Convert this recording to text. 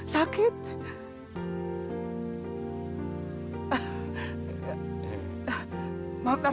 raih kerja sama adventur